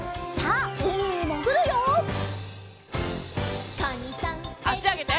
あしあげて。